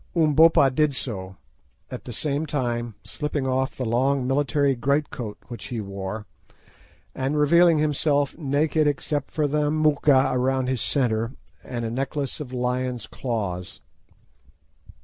Umbopa did so, at the same time slipping off the long military great coat which he wore, and revealing himself naked except for the moocha round his centre and a necklace of lions' claws.